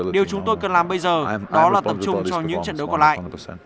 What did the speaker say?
điều chúng tôi cần làm bây giờ đó là tập trung cho những trận đấu còn lại